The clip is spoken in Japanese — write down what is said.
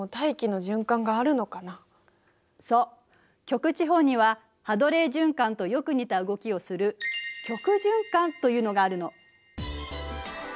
極地方にはハドレー循環とよく似た動きをする「極循環」というのがあるの。